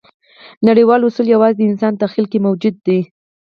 نړیوال اصول یواځې د انسان تخیل کې موجود دي.